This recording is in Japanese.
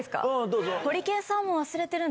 どうぞ。